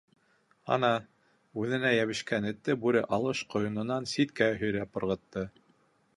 Ана, үҙенә йәбешкән этте бүре алыш ҡойононан ситкә һөйрәп ырғытты.